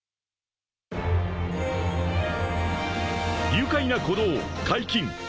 ［愉快な鼓動解禁］